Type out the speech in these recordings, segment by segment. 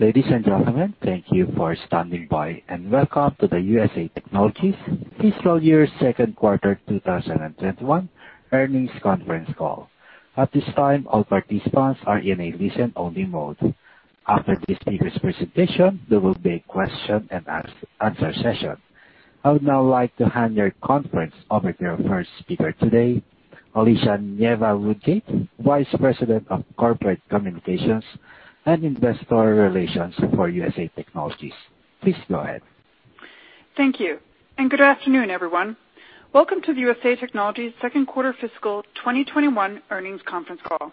Ladies and gentlemen, thank you for standing by, welcome to the USA Technologies Fiscal Year Q2 2021 Earnings Conference Call. At this time, all participants are in a listen-only mode. After the speakers' presentation, there will be a question and answer session. I would now like to hand your conference over to our first speaker today, Alicia Nieva-Ruddick, Vice President of Corporate Communications and Investor Relations for USA Technologies. Please go ahead. Thank you. Good afternoon, everyone. Welcome to the USA Technologies Q2 fiscal 2021 earnings conference call.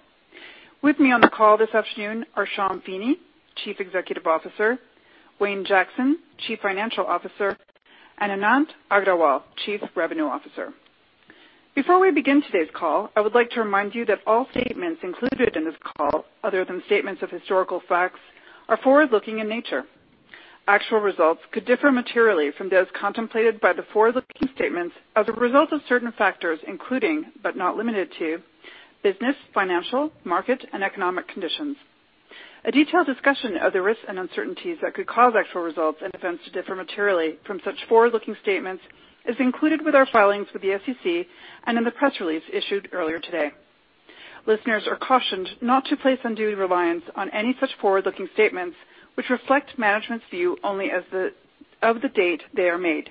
With me on the call this afternoon are Sean Feeney, Chief Executive Officer, Wayne Jackson, Chief Financial Officer, and Anant Agrawal, Chief Revenue Officer. Before we begin today's call, I would like to remind you that all statements included in this call, other than statements of historical facts, are forward-looking in nature. Actual results could differ materially from those contemplated by the forward-looking statements as a result of certain factors, including, but not limited to, business, financial, market, and economic conditions. A detailed discussion of the risks and uncertainties that could cause actual results and events to differ materially from such forward-looking statements is included with our filings with the SEC and in the press release issued earlier today. Listeners are cautioned not to place undue reliance on any such forward-looking statements, which reflect management's view only as of the date they are made.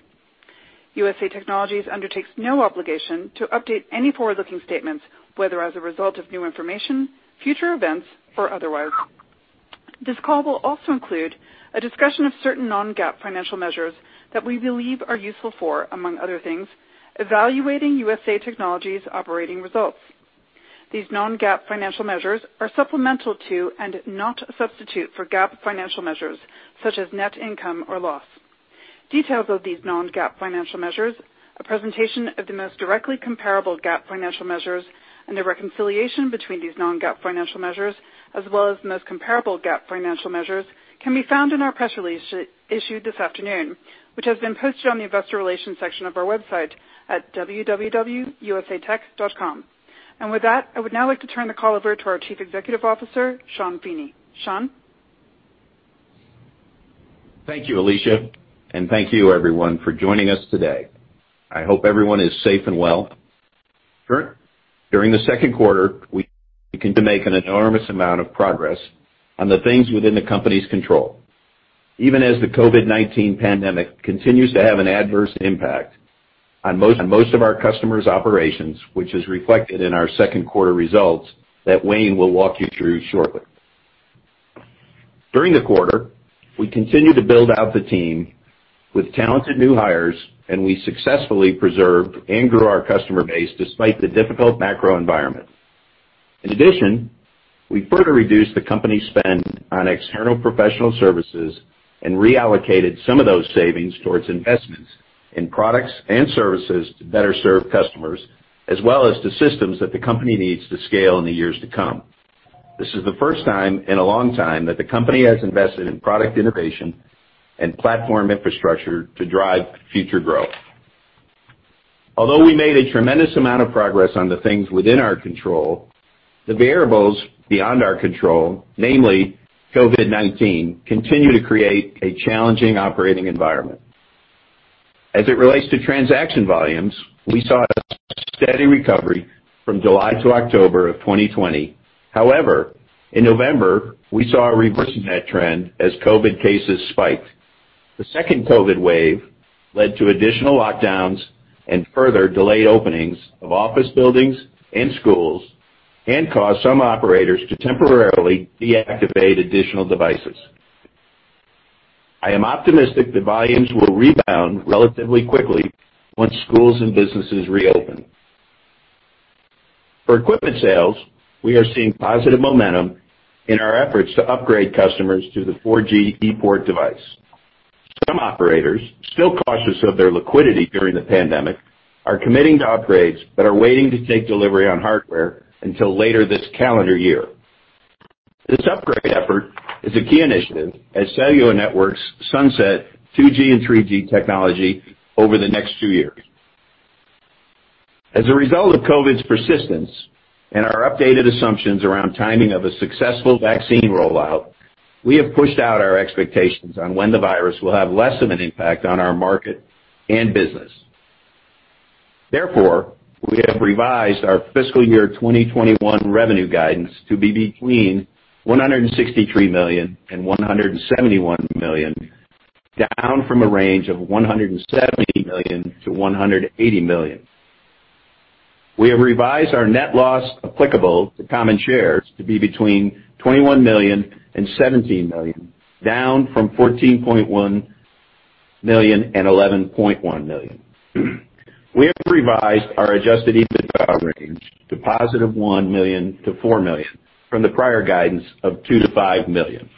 USA Technologies undertakes no obligation to update any forward-looking statements, whether as a result of new information, future events, or otherwise. This call will also include a discussion of certain non-GAAP financial measures that we believe are useful for, among other things, evaluating USA Technologies' operating results. These non-GAAP financial measures are supplemental to and not a substitute for GAAP financial measures such as net income or loss. Details of these non-GAAP financial measures, a presentation of the most directly comparable GAAP financial measures, and the reconciliation between these non-GAAP financial measures, as well as the most comparable GAAP financial measures, can be found in our press release issued this afternoon, which has been posted on the investor relations section of our website at www.usatech.com. With that, I would now like to turn the call over to our Chief Executive Officer, Sean Feeney. Sean? Thank you, Alicia. Thank you, everyone, for joining us today. I hope everyone is safe and well. During the Q2, we continued to make an enormous amount of progress on the things within the company's control. Even as the COVID-19 pandemic continues to have an adverse impact on most of our customers' operations, which is reflected in our Q2 results that Wayne will walk you through shortly. During the quarter, we continued to build out the team with talented new hires, and we successfully preserved and grew our customer base despite the difficult macro environment. In addition, we further reduced the company spend on external professional services and reallocated some of those savings towards investments in products and services to better serve customers, as well as the systems that the company needs to scale in the years to come. This is the first time in a long time that the company has invested in product innovation and platform infrastructure to drive future growth. Although we made a tremendous amount of progress on the things within our control, the variables beyond our control, namely COVID-19, continue to create a challenging operating environment. As it relates to transaction volumes, we saw a steady recovery from July to October of 2020. In November, we saw a reversal in that trend as COVID cases spiked. The second COVID wave led to additional lockdowns and further delayed openings of office buildings and schools and caused some operators to temporarily deactivate additional devices. I am optimistic that volumes will rebound relatively quickly once schools and businesses reopen. For equipment sales, we are seeing positive momentum in our efforts to upgrade customers to the 4G ePort device. Some operators, still cautious of their liquidity during the pandemic, are committing to upgrades but are waiting to take delivery on hardware until later this calendar year. This upgrade effort is a key initiative as cellular networks sunset 2G and 3G technology over the next two years. As a result of COVID-19's persistence and our updated assumptions around timing of a successful vaccine rollout, we have pushed out our expectations on when the virus will have less of an impact on our market and business. Therefore, we have revised our fiscal year 2021 revenue guidance to be between $163 million and $171 million, down from a range of $170 million to $180 million. We have revised our net loss applicable to common shares to be between $21 million and $17 million, down from $14.1 million and $11.1 million. We have revised our adjusted EBITDA range to positive $1 million-$4 million from the prior guidance of $2 million-$5 million.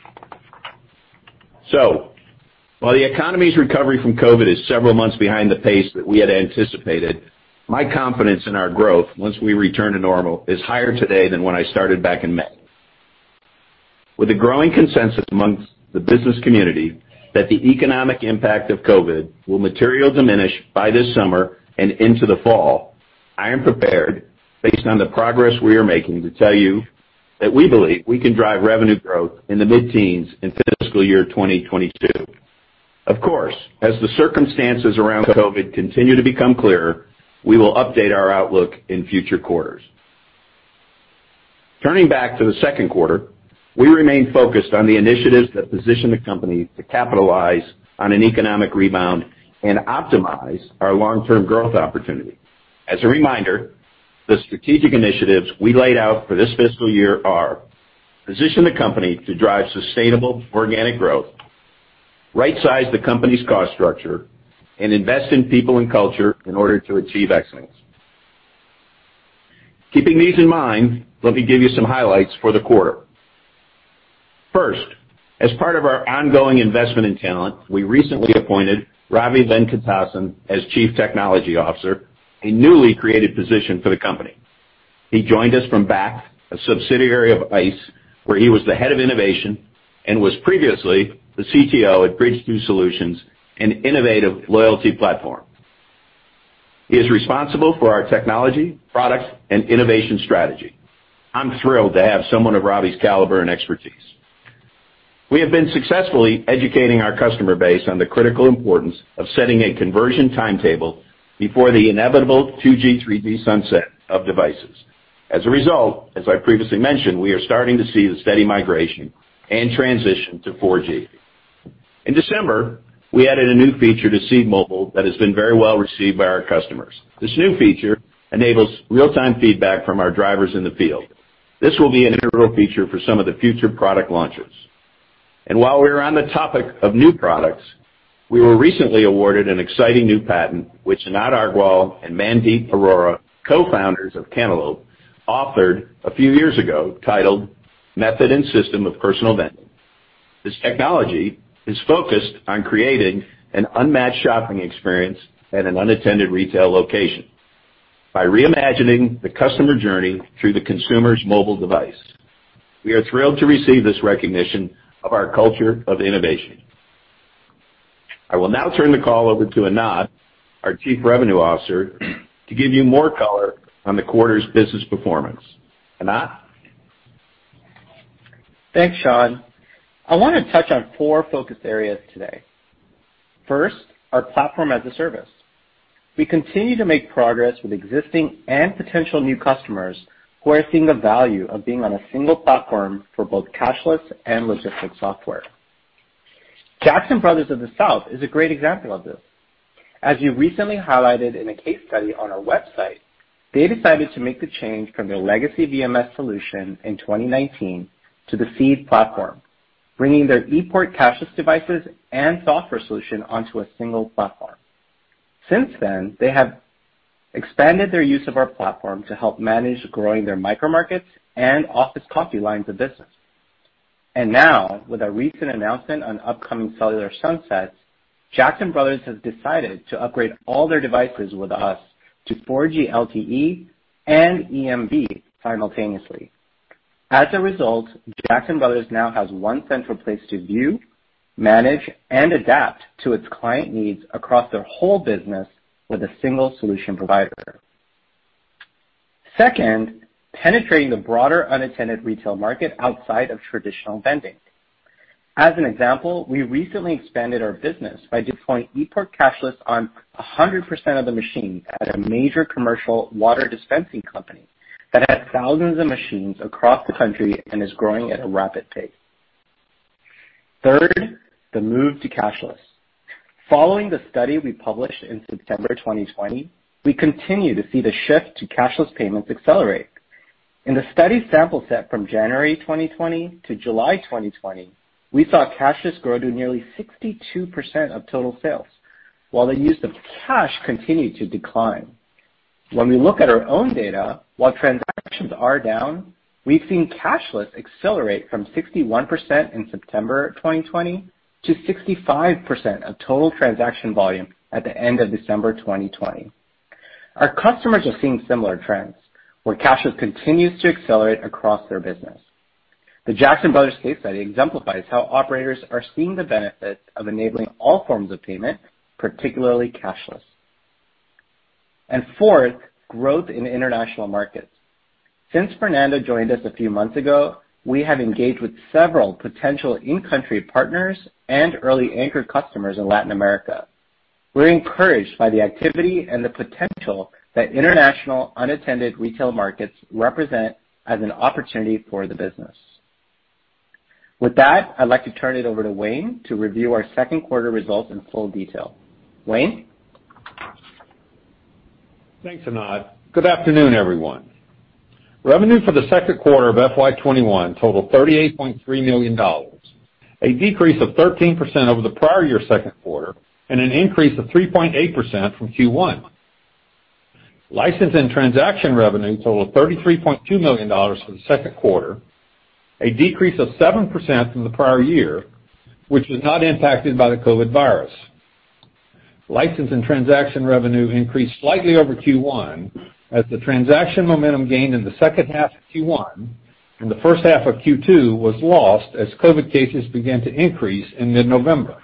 While the economy's recovery from COVID is several months behind the pace that we had anticipated, my confidence in our growth once we return to normal is higher today than when I started back in May. With the growing consensus amongst the business community that the economic impact of COVID will materially diminish by this summer and into the fall, I am prepared, based on the progress we are making, to tell you that we believe we can drive revenue growth in the mid-teens in fiscal year 2022. Of course, as the circumstances around COVID continue to become clearer, we will update our outlook in future quarters. Turning back to the Q2, we remain focused on the initiatives that position the company to capitalize on an economic rebound and optimize our long-term growth opportunity. As a reminder, the strategic initiatives we laid out for this fiscal year are: position the company to drive sustainable organic growth, right-size the company's cost structure, and invest in people and culture in order to achieve excellence. Keeping these in mind, let me give you some highlights for the quarter. First, as part of our ongoing investment in talent, we recently appointed Ravi Venkatesan as Chief Technology Officer, a newly created position for the company. He joined us from Bakkt, a subsidiary of ICE, where he was the head of innovation and was previously the CTO at Bridge2 Solutions, an innovative loyalty platform. He is responsible for our technology, products, and innovation strategy. I'm thrilled to have someone of Ravi's caliber and expertise. We have been successfully educating our customer base on the critical importance of setting a conversion timetable before the inevitable 2G/3G sunset of devices. As a result, as I previously mentioned, we are starting to see the steady migration and transition to 4G. In December, we added a new feature to Seed Mobile that has been very well-received by our customers. This new feature enables real-time feedback from our drivers in the field. This will be an integral feature for some of the future product launches. While we're on the topic of new products, we were recently awarded an exciting new patent, which Anant Agrawal and Mandeep Arora, co-founders of Cantaloupe, authored a few years ago, titled Method and System of Personal Vending. This technology is focused on creating an unmatched shopping experience at an unattended retail location by reimagining the customer journey through the consumer's mobile device. We are thrilled to receive this recognition of our culture of innovation. I will now turn the call over to Anant, our Chief Revenue Officer, to give you more color on the quarter's business performance. Anant? Thanks, Sean. I want to touch on four focus areas today. First, our platform as a service. We continue to make progress with existing and potential new customers who are seeing the value of being on a single platform for both cashless and logistics software. Jackson Brothers of the South is a great example of this. As we recently highlighted in a case study on our website, they decided to make the change from their legacy VMS solution in 2019 to the Seed platform, bringing their ePort cashless devices and software solution onto a single platform. Since then, they have expanded their use of our platform to help manage growing their micro markets and office coffee lines of business. Now, with our recent announcement on upcoming cellular sunsets, Jackson Brothers has decided to upgrade all their devices with us to 4G LTE and EMV simultaneously. As a result, Jackson Brothers now has one central place to view, manage, and adapt to its client needs across their whole business with a single solution provider. Second, penetrating the broader unattended retail market outside of traditional vending. As an example, we recently expanded our business by deploying ePort Cashless on 100% of the machines at a major commercial water dispensing company that has thousands of machines across the country and is growing at a rapid pace. Third, the move to cashless. Following the study we published in September 2020, we continue to see the shift to cashless payments accelerate. In the study sample set from January 2020 to July 2020, we saw cashless grow to nearly 62% of total sales, while the use of cash continued to decline. When we look at our own data, while transactions are down, we've seen cashless accelerate from 61% in September 2020 to 65% of total transaction volume at the end of December 2020. Our customers are seeing similar trends, where cashless continues to accelerate across their business. The Jackson Brothers case study exemplifies how operators are seeing the benefits of enabling all forms of payment, particularly cashless. Fourth, growth in international markets. Since Fernando joined us a few months ago, we have engaged with several potential in-country partners and early anchor customers in Latin America. We're encouraged by the activity and the potential that international unattended retail markets represent as an opportunity for the business. With that, I'd like to turn it over to Wayne to review our Q2 results in full detail. Wayne? Thanks, Anant. Good afternoon, everyone. Revenue for the Q2 of FY 2021 totaled $38.3 million, a decrease of 13% over the prior year Q2 and an increase of 3.8% from Q1. License and transaction revenue totaled $33.2 million for the Q2, a decrease of 7% from the prior year, which was not impacted by the COVID virus. License and transaction revenue increased slightly over Q1 as the transaction momentum gained in the H2 of Q1 and the H1 of Q2 was lost as COVID cases began to increase in mid-November.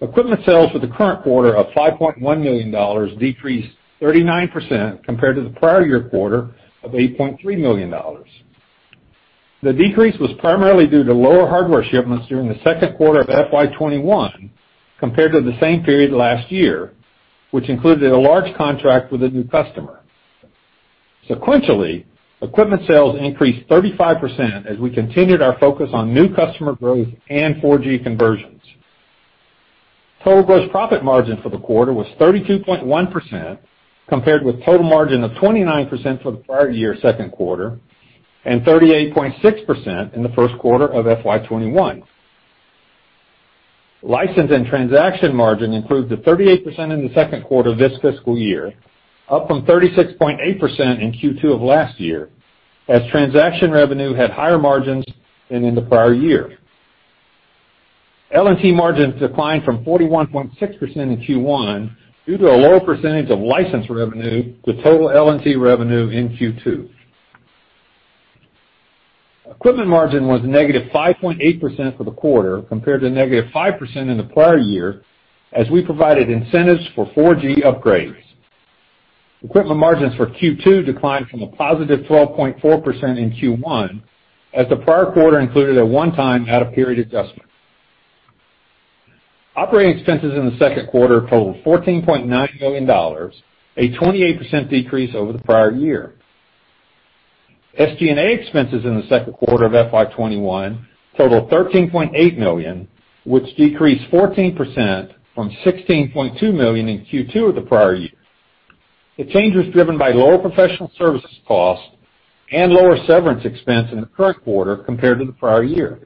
Equipment sales for the current quarter of $5.1 million decreased 39% compared to the prior year quarter of $8.3 million. The decrease was primarily due to lower hardware shipments during the Q2 of FY 2021 compared to the same period last year, which included a large contract with a new customer. Sequentially, equipment sales increased 35% as we continued our focus on new customer growth and 4G conversions. Total gross profit margin for the quarter was 32.1%, compared with total margin of 29% for the prior year Q2, and 38.6% in the Q1 of FY 2021. License and transaction margin improved to 38% in the Q2 of this fiscal year, up from 36.8% in Q2 of last year, as transaction revenue had higher margins than in the prior year. L&T margins declined from 41.6% in Q1 due to a lower percentage of license revenue to total L&T revenue in Q2. Equipment margin was negative 5.8% for the quarter compared to negative 5% in the prior year, as we provided incentives for 4G upgrades. Equipment margins for Q2 declined from a positive 12.4% in Q1, as the prior quarter included a one-time out-of-period adjustment. Operating expenses in the Q2 totaled $14.9 million, a 28% decrease over the prior year. SG&A expenses in the Q2 of FY 2021 totaled $13.8 million, which decreased 14% from $16.2 million in Q2 of the prior year. The change was driven by lower professional services cost and lower severance expense in the current quarter compared to the prior year.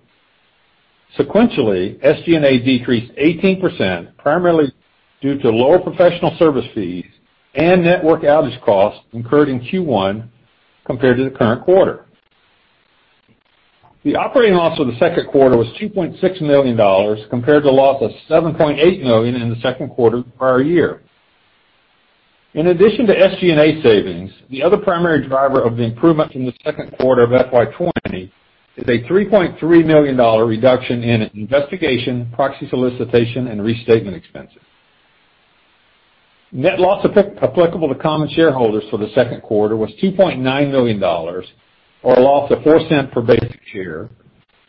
Sequentially, SG&A decreased 18%, primarily due to lower professional service fees and network outage costs incurred in Q1 compared to the current quarter. The operating loss for the Q2 was $2.6 million, compared to the loss of $7.8 million in the Q2 the prior year. In addition to SG&A savings, the other primary driver of the improvement from the Q2 of FY 2020 is a $3.3 million reduction in investigation, proxy solicitation, and restatement expenses. Net loss applicable to common shareholders for the Q2 was $2.9 million, or a loss of $0.04 per basic share,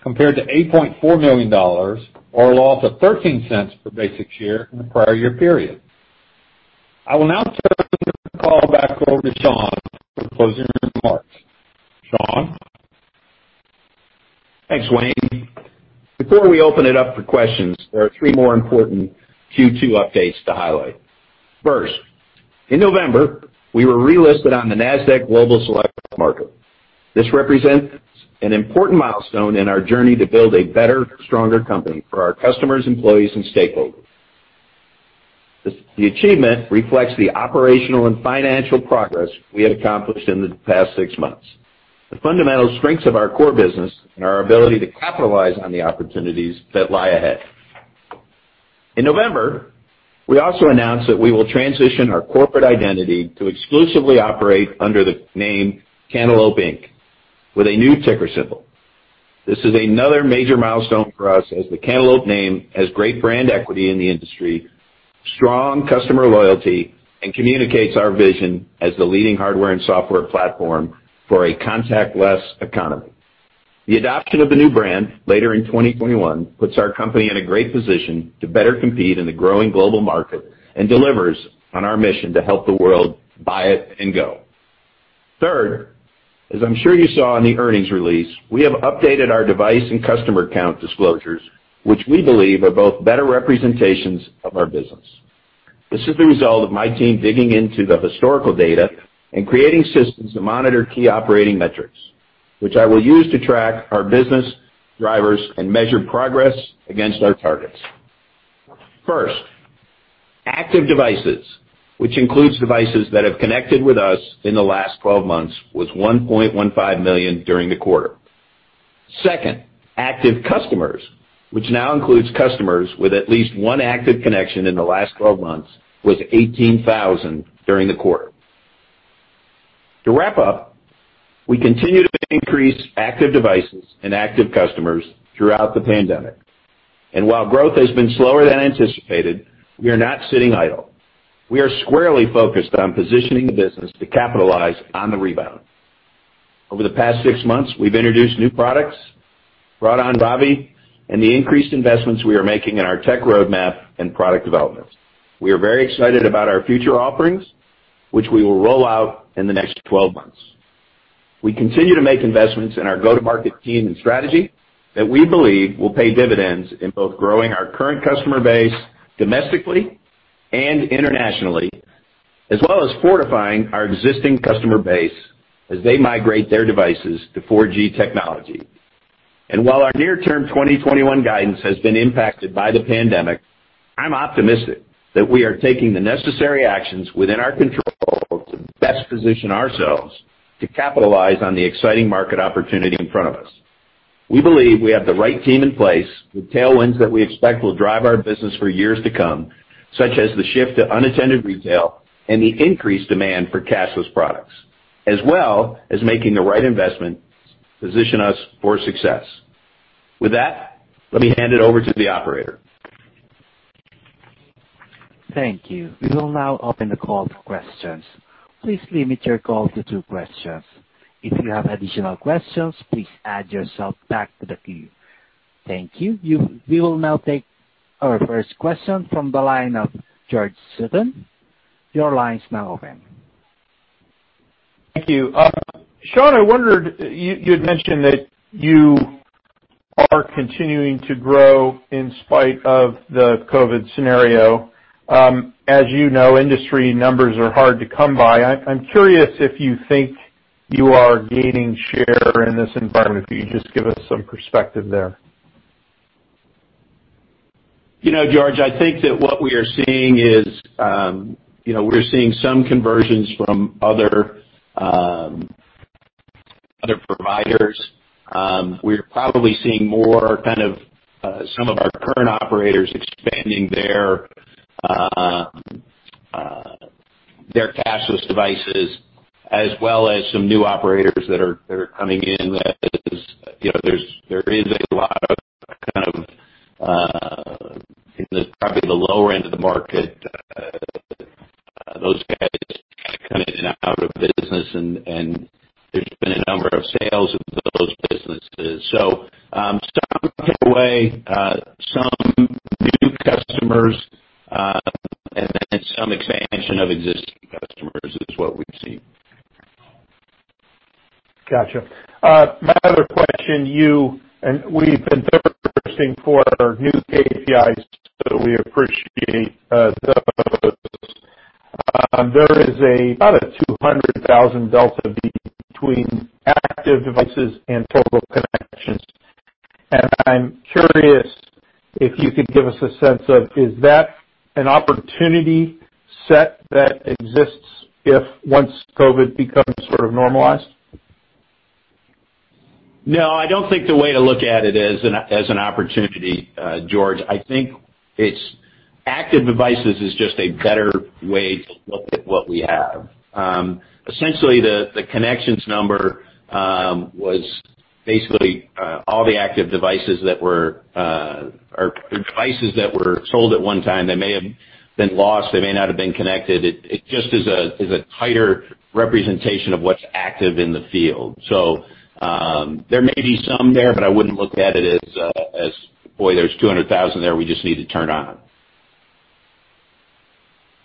compared to $8.4 million, or a loss of $0.13 per basic share in the prior year period. I will now turn the call back over to Sean for closing remarks. Sean? Thanks, Wayne. Before we open it up for questions, there are three more important Q2 updates to highlight. First, in November, we were relisted on the Nasdaq Global Select Market. This represents an important milestone in our journey to build a better, stronger company for our customers, employees, and stakeholders. The achievement reflects the operational and financial progress we have accomplished in the past six months, the fundamental strengths of our core business, and our ability to capitalize on the opportunities that lie ahead. In November, we also announced that we will transition our corporate identity to exclusively operate under the name Cantaloupe, Inc. with a new ticker symbol. This is another major milestone for us as the Cantaloupe name has great brand equity in the industry, strong customer loyalty, and communicates our vision as the leading hardware and software platform for a contactless economy. The adoption of the new brand later in 2021 puts our company in a great position to better compete in the growing global market and delivers on our mission to help the world buy it and go. Third, as I'm sure you saw in the earnings release, we have updated our device and customer count disclosures, which we believe are both better representations of our business. This is the result of my team digging into the historical data and creating systems to monitor key operating metrics, which I will use to track our business drivers and measure progress against our targets. First, active devices, which includes devices that have connected with us in the last 12 months, was 1.15 million during the quarter. Second, active customers, which now includes customers with at least one active connection in the last 12 months, was 18,000 during the quarter. To wrap up, we continue to increase active devices and active customers throughout the pandemic. While growth has been slower than anticipated, we are not sitting idle. We are squarely focused on positioning the business to capitalize on the rebound. Over the past six months, we've introduced new products, brought on Ravi, and the increased investments we are making in our tech roadmap and product development. We are very excited about our future offerings, which we will roll out in the next 12 months. We continue to make investments in our go-to-market team and strategy that we believe will pay dividends in both growing our current customer base domestically and internationally, as well as fortifying our existing customer base as they migrate their devices to 4G technology. While our near-term 2021 guidance has been impacted by the pandemic, I'm optimistic that we are taking the necessary actions within our control to best position ourselves to capitalize on the exciting market opportunity in front of us. We believe we have the right team in place with tailwinds that we expect will drive our business for years to come, such as the shift to unattended retail and the increased demand for cashless products, as well as making the right investment to position us for success. With that, let me hand it over to the operator. Thank you. We will now open the call for questions. Please limit your call to two questions. If you have additional questions, please add yourself back to the queue. Thank you. We will now take our first question from the line of George Sutton. Your line is now open. Thank you. Sean, I wondered, you had mentioned that you are continuing to grow in spite of the COVID-19 scenario. As you know, industry numbers are hard to come by. I'm curious if you think you are gaining share in this environment. Could you just give us some perspective there? George, I think that what we are seeing is, we're seeing some conversions from other providers. We're probably seeing more kind of some of our current operators expanding their cashless devices as well as some new operators that are coming in as There is a lot of, kind of, in the, probably the lower end of the market, those guys come in and out of business and there's been a number of sales of those businesses. Some chip away, some new customers, and then some expansion of existing customers is what we've seen. Got you. My other question, you and we've been thirsting for new KPIs, so we appreciate those. There is about a 200,000 delta between active devices and total connections. I'm curious if you could give us a sense of, is that an opportunity set that exists if once COVID becomes sort of normalized? No, I don't think the way to look at it is as an opportunity, George. I think it's active devices is just a better way to look at what we have. Essentially, the connections number was basically all the active devices that were, or devices that were sold at one time. They may have been lost, they may not have been connected. It just is a tighter representation of what's active in the field. There may be some there, but I wouldn't look at it as, "Boy, there's 200,000 there we just need to turn on.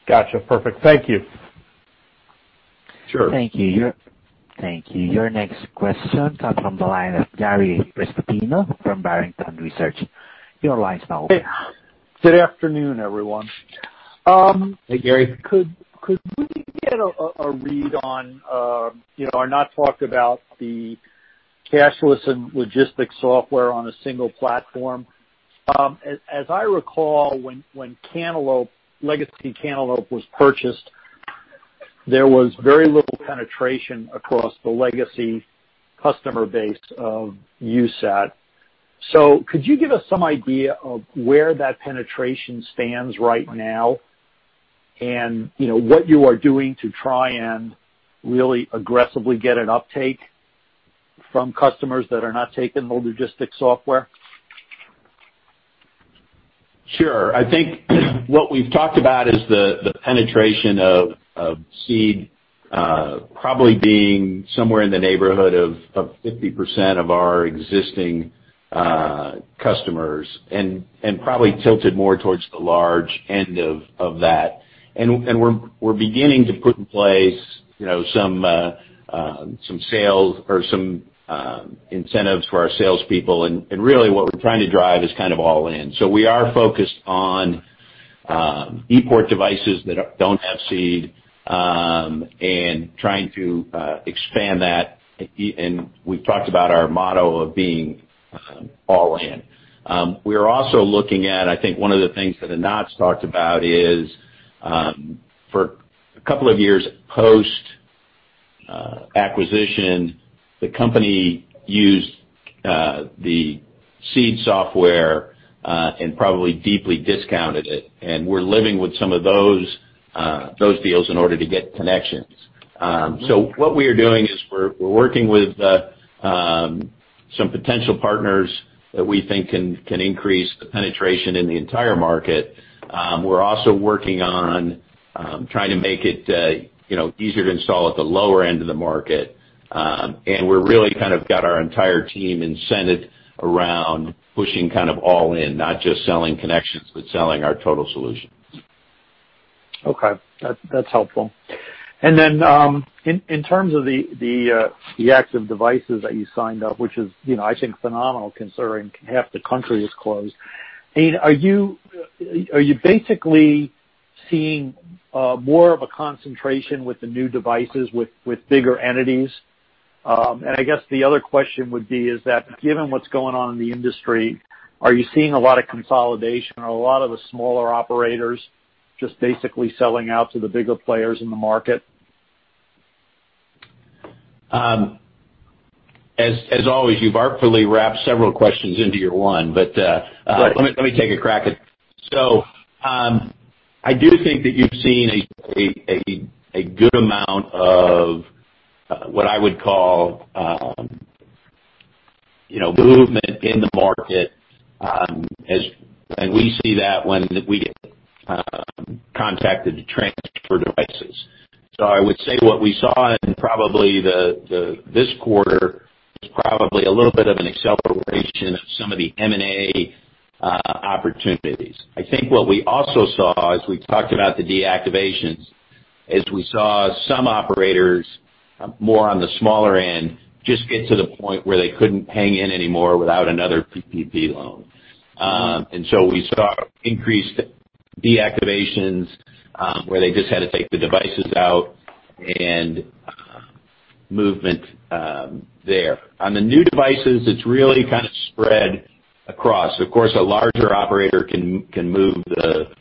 Got you. Perfect. Thank you. Sure. Thank you. Your next question comes from the line of Gary Prestopino from Barrington Research. Your line's now open. Good afternoon, everyone. Hey, Gary. Could we get a read on, Anant talked about the cashless and logistics software on a single platform. As I recall, when Legacy Cantaloupe was purchased, there was very little penetration across the legacy customer base of USAT. could you give us some idea of where that penetration stands right now and what you are doing to try and really aggressively get an uptake from customers that are not taking the logistics software? Sure. I think what we've talked about is the penetration of Seed probably being somewhere in the neighborhood of 50% of our existing customers, and probably tilted more towards the large end of that. We're beginning to put in place some sales or some incentives for our salespeople. Really what we're trying to drive is kind of all in. We are focused on ePort devices that don't have Seed, and trying to expand that. We've talked about our motto of being all in. We're also looking at, I think one of the things that Anant's talked about is, for a couple of years post-acquisition, the company used the Seed software, and probably deeply discounted it. We're living with some of those deals in order to get connections. What we are doing is we're working with some potential partners that we think can increase the penetration in the entire market. We're also working on trying to make it easier to install at the lower end of the market. We're really kind of got our entire team incented around pushing all in, not just selling connections, but selling our total solutions. Okay. That's helpful. Then, in terms of the active devices that you signed up, which is, I think phenomenal considering half the country is closed. Are you basically seeing more of a concentration with the new devices with bigger entities? I guess the other question would be is that, given what's going on in the industry, are you seeing a lot of consolidation? Are a lot of the smaller operators just basically selling out to the bigger players in the market? As always, you've artfully wrapped several questions into your one. Right Let me take a crack at it. I do think that you've seen a good amount of what I would call movement in the market, and we see that when we get contacted to transfer devices. I would say what we saw in this quarter was probably a little bit of an acceleration of some of the M&A opportunities. I think what we also saw as we talked about the deactivations, is we saw some operators, more on the smaller end, just get to the point where they couldn't hang in anymore without another PPP loan. We saw increased deactivations, where they just had to take the devices out and movement there. On the new devices, it's really kind of spread across. Of course, a larger operator can move the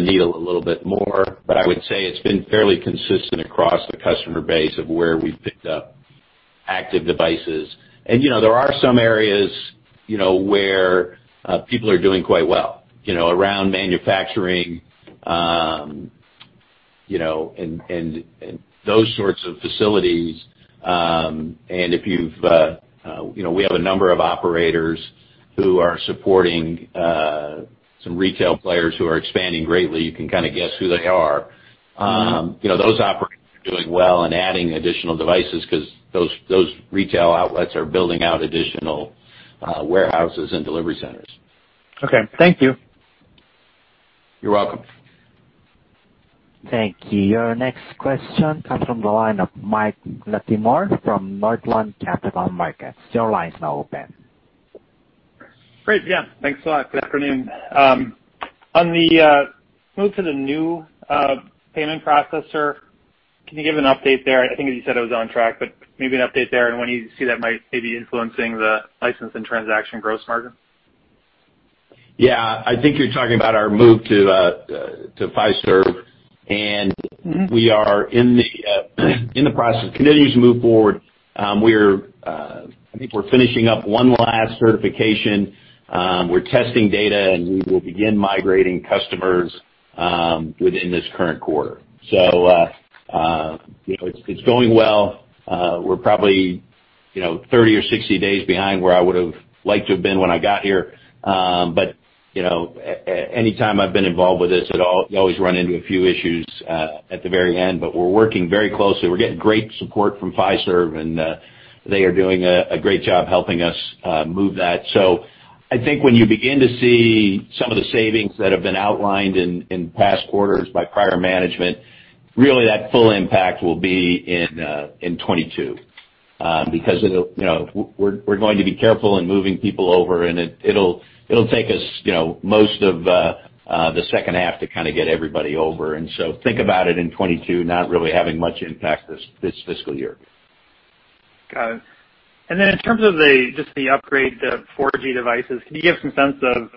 needle a little bit more, but I would say it's been fairly consistent across the customer base of where we've picked up active devices. There are some areas where people are doing quite well, around manufacturing, and those sorts of facilities. We have a number of operators who are supporting some retail players who are expanding greatly. You can kind of guess who they are. Those operators are doing well and adding additional devices because those retail outlets are building out additional warehouses and delivery centers. Okay. Thank you. You're welcome. Thank you. Your next question comes from the line of Mike Latimore from Northland Capital Markets. Your line is now open. Great. Yeah. Thanks a lot. Good afternoon. On the move to the new payment processor, can you give an update there? I think as you said it was on track, but maybe an update there and when you see that might maybe influencing the license and transaction gross margin? I think you're talking about our move to Fiserv, and we are in the process, continuing to move forward. I think we're finishing up one last certification. We're testing data, and we will begin migrating customers within this current quarter. It's going well. We're probably 30 or 60 days behind where I would've liked to have been when I got here. Anytime I've been involved with this, you always run into a few issues at the very end. We're working very closely. We're getting great support from Fiserv, and they are doing a great job helping us move that. I think when you begin to see some of the savings that have been outlined in past quarters by prior management, really that full impact will be in 2022. We're going to be careful in moving people over, and it'll take us most of the H2 to kind of get everybody over. Think about it in 2022, not really having much impact this fiscal year. Got it. In terms of just the upgrade to 4G devices, can you give some sense of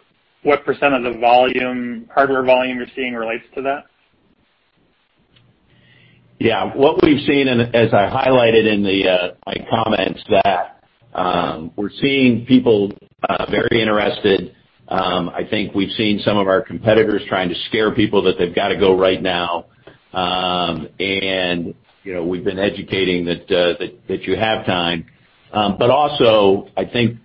what % of the hardware volume you're seeing relates to that? Yeah. What we've seen, and as I highlighted in my comments, that we're seeing people very interested. I think we've seen some of our competitors trying to scare people that they've got to go right now. We've been educating that you have time. Also, I think,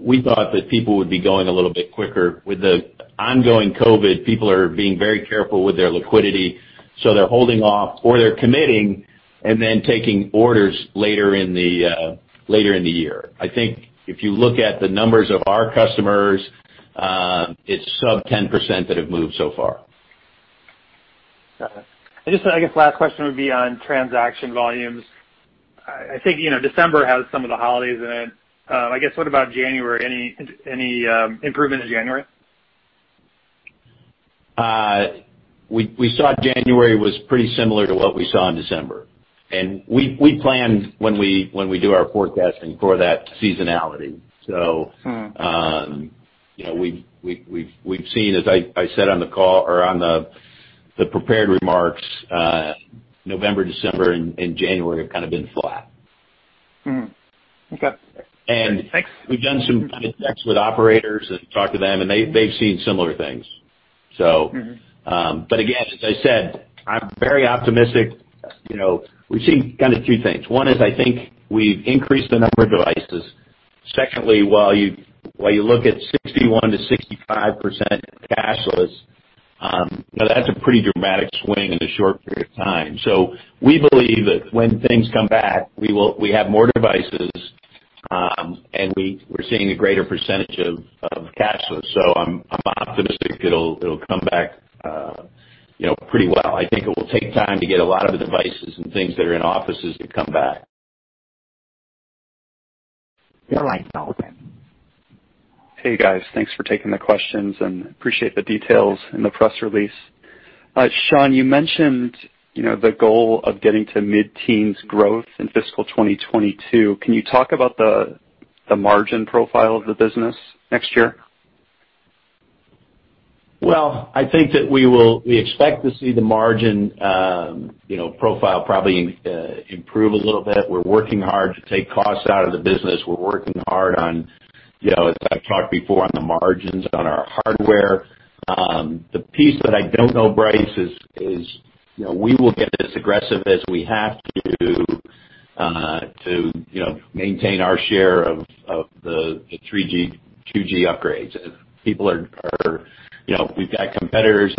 we thought that people would be going a little bit quicker. With the ongoing COVID, people are being very careful with their liquidity, so they're holding off or they're committing and then taking orders later in the year. I think if you look at the numbers of our customers, it's sub 10% that have moved so far. Got it. Just, I guess last question would be on transaction volumes. I think December has some of the holidays in it. I guess what about January? Any improvement in January? We saw January was pretty similar to what we saw in December. We plan when we do our forecasting for that seasonality. We've seen, as I said on the call or on the prepared remarks, November, December, and January have kind of been flat. Mm-hmm. Okay. And- Thanks We've done some kind of checks with operators and talked to them, and they've seen similar things. Again, as I said, I'm very optimistic. We've seen kind of two things. One is I think we've increased the number of devices. Secondly, while you look at 61%-65% cashless, that's a pretty dramatic swing in a short period of time. We believe that when things come back, we have more devices, and we're seeing a greater percentage of cashless. I'm optimistic it'll come back pretty well. I think it will take time to get a lot of the devices and things that are in offices to come back. Your line's now open. Hey, guys. Thanks for taking the questions and appreciate the details in the press release. Sean, you mentioned the goal of getting to mid-teens growth in fiscal 2022. Can you talk about the margin profile of the business next year? Well, I think that we expect to see the margin profile probably improve a little bit. We're working hard to take costs out of the business. We're working hard on, as I've talked before, on the margins on our hardware, the piece that I don't know, Bryce, is we will get as aggressive as we have to maintain our share of the 3G, 2G upgrades. We've got competitors,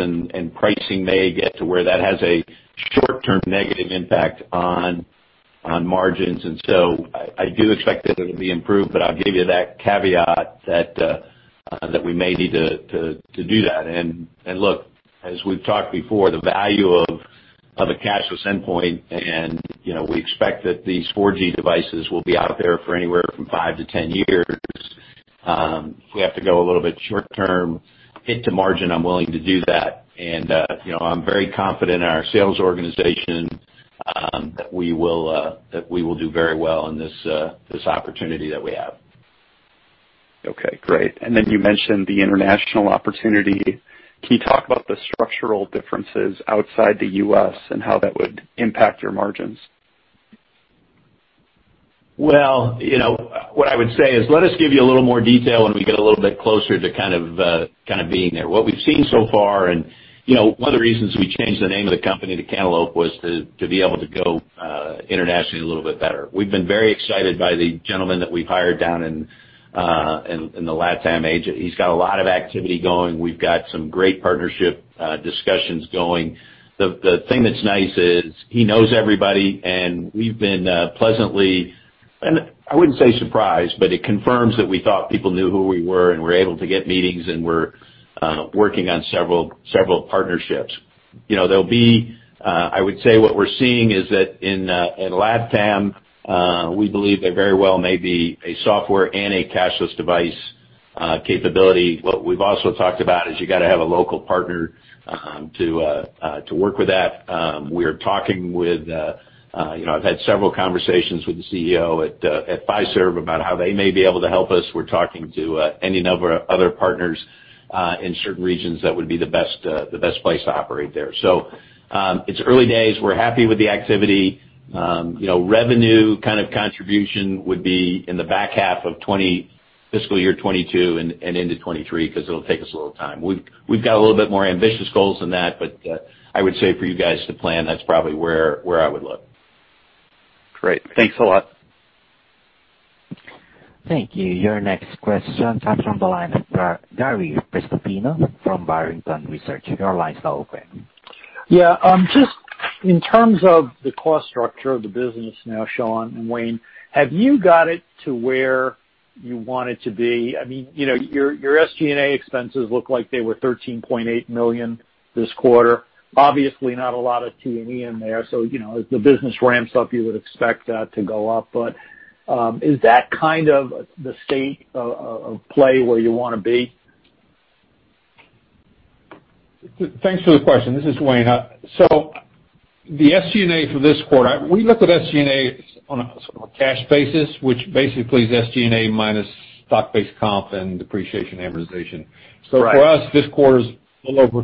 pricing may get to where that has a short-term negative impact on margins. I do expect that it'll be improved, but I'll give you that caveat that we may need to do that. Look, as we've talked before, the value of a cashless endpoint, and we expect that these 4G devices will be out there for anywhere from five to 10 years. If we have to go a little bit short term into margin, I'm willing to do that. I'm very confident in our sales organization that we will do very well in this opportunity that we have. Okay, great. You mentioned the international opportunity. Can you talk about the structural differences outside the U.S. and how that would impact your margins? Well, what I would say is, let us give you a little more detail when we get a little bit closer to kind of being there. One of the reasons we changed the name of the company to Cantaloupe was to be able to go internationally a little bit better. We've been very excited by the gentleman that we've hired down in the LATAM agent. He's got a lot of activity going. We've got some great partnership discussions going. The thing that's nice is he knows everybody, and we've been pleasantly, I wouldn't say surprised, but it confirms that we thought people knew who we were, and we're able to get meetings, and we're working on several partnerships. I would say what we're seeing is that in LATAM, we believe there very well may be a software and a cashless device capability. What we've also talked about is you got to have a local partner to work with that. I've had several conversations with the CEO at Fiserv about how they may be able to help us. We're talking to any number of other partners in certain regions that would be the best place to operate there. It's early days. We're happy with the activity. Revenue kind of contribution would be in the back half of fiscal year 2022 and into 2023, because it'll take us a little time. We've got a little bit more ambitious goals than that, but I would say for you guys to plan, that's probably where I would look. Great. Thanks a lot. Thank you. Your next question comes from the line of Gary Prestopino from Barrington Research. Your line's now open. Yeah. Just in terms of the cost structure of the business now, Sean and Wayne, have you got it to where you want it to be? Your SG&A expenses look like they were $13.8 million this quarter. Obviously, not a lot of T&E in there, so as the business ramps up, you would expect that to go up. Is that kind of the state of play where you want to be? Thanks for the question. This is Wayne. The SG&A for this quarter, we look at SG&A on a sort of a cash basis, which basically is SG&A minus stock-based comp and depreciation amortization. Right. For us, this quarter's a little over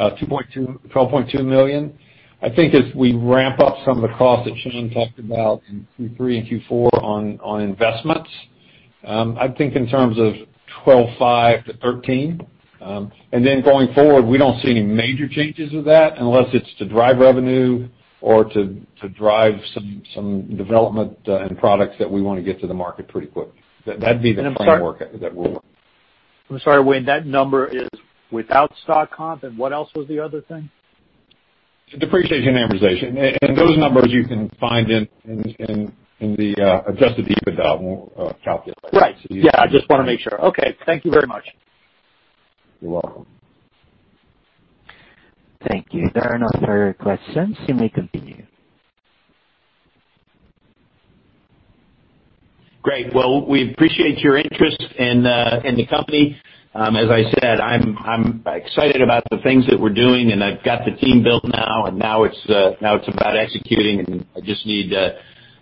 $12.2 million. I think as we ramp up some of the costs that Sean talked about in Q3 and Q4 on investments, I think in terms of $12.5 million-$13 million. Then going forward, we don't see any major changes with that unless it's to drive revenue or to drive some development and products that we want to get to the market pretty quickly. That'd be the framework that we're working. I'm sorry, Wayne, that number is without stock comp, and what else was the other thing? Depreciation amortization. Those numbers you can find in the adjusted EBITDA calculation. Right. Yeah, I just want to make sure. Okay. Thank you very much. You're welcome. Thank you. There are no further questions. You may continue. Well, we appreciate your interest in the company. As I said, I'm excited about the things that we're doing, and I've got the team built now, and now it's about executing,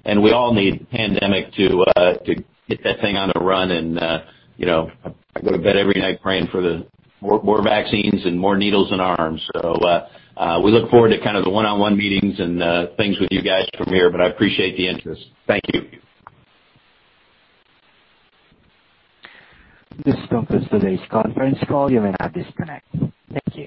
and we all need the pandemic to get that thing on a run. I go to bed every night praying for more vaccines and more needles in arms. We look forward to kind of the one-on-one meetings and things with you guys from here, but I appreciate the interest. Thank you. This concludes today's conference call. You may now disconnect. Thank you.